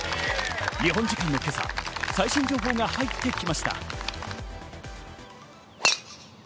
日本時間の今朝、最新情報が入ってきました。